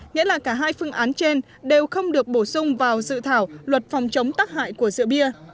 nghĩa là cả hai phương án trên đều không được bổ sung vào dự thảo luật phòng chống tắc hại của rượu bia